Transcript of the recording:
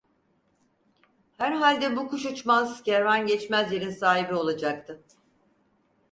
Herhalde, bu kuş uçmaz, kervan geçmez yerin sahibi olacaktı.